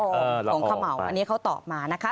ของเขม่าอันนี้เขาตอบมานะคะ